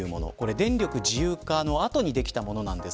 電力自由化の後にできたものです。